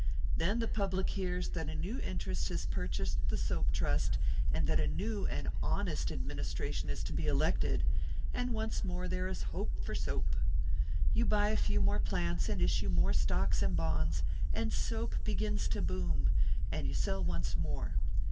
Then the public hears that a new interest has purchased the soap trust, and that a new and honest administration is to be elected; and once more there is hope for soap. You buy a few more plants, and issue more stocks and bonds, and soap begins to boom, and you sell once more.